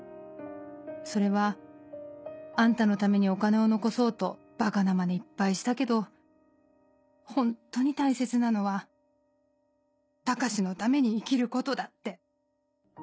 「それはあんたのためにお金を残そうとばかなまねいっぱいしたけどホントに大切なのは高志のために生きることだって。